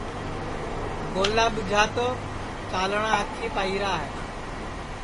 گولا ٻُوجھا تو چاݪٹؔا آنکھیپ آئیرا ہے